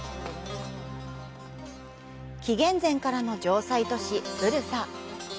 紀元前からの城塞都市、ブルサ。